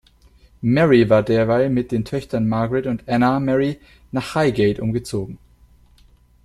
Mary war derweil mit den Töchtern Margaret und Anna Mary nach Highgate umgezogen.